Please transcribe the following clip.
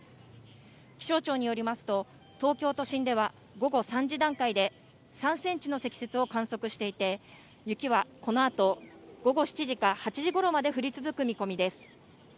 気象庁によりますと、東京都心では午後３時段階で、３センチの積雪を観測していて、雪はこのあと午後７時か、８時ごろまで降り続く見込みです。